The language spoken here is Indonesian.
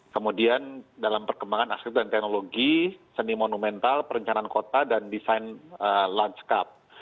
kemudian dalam perkembangan akses dan teknologi seni monumental perencanaan kota dan desain lanskap